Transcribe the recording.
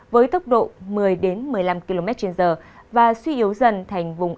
với tốc độ một mươi một mươi năm kmh và suy yếu dần thành vùng